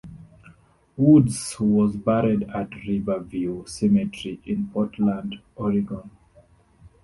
Woods was buried at River View Cemetery in Portland, Oregon.